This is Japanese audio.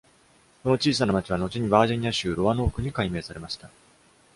この小さな町は後にバージニア州ロアノークに改名されました。